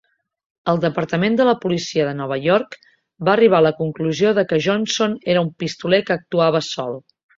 El departament de la policia de Nova York va arribar a la conclusió de que Johnson era un pistoler que actuava sol.